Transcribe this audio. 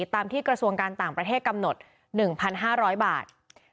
ตามที่กระทรวงการต่างประเทศกำหนด๑๕๐๐บาท